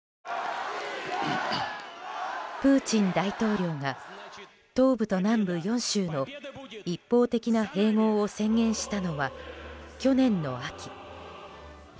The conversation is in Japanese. プーチン大統領が東部と南部４州の一方的な併合を宣言したのは去年の秋。